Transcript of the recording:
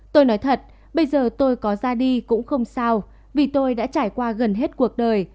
tôi nói thật bây giờ tôi có ra đi cũng không sao vì tôi đã trải qua gần hết cuộc đời